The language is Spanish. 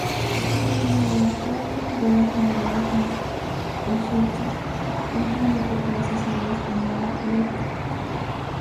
Es miembro de la Gottfried-Wilhelm-Leibniz-Gesellschaft de Hannover y de la Sociedad Española Leibniz.